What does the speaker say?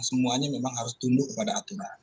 semuanya memang harus tunduk kepada aturan